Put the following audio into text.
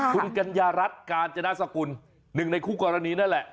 คุณกัญญารัฐกาญจนาสกุลหนึ่งในคู่กรณีนั่นแหละ